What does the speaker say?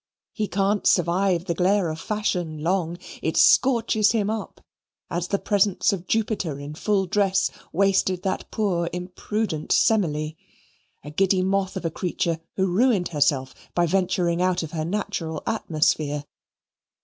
He can't survive the glare of fashion long. It scorches him up, as the presence of Jupiter in full dress wasted that poor imprudent Semele a giddy moth of a creature who ruined herself by venturing out of her natural atmosphere.